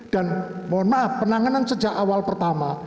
dan mohon maaf penanganan sejak awal pertama